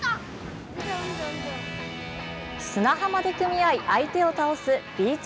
砂浜で組み合い相手を倒すビーチ